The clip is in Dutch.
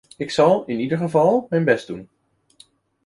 Ik zal in ieder geval mijn best doen.